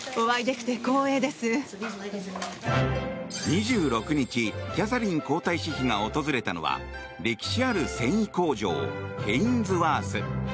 ２６日、キャサリン皇太子妃が訪れたのは歴史ある繊維工場ヘインズワース。